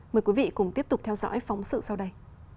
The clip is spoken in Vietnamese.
mời quý vị cùng tiếp tục theo dõi phóng sự sau đây